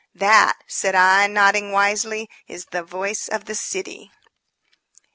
"That," said I, nodding wisely, "is the Voice of the City."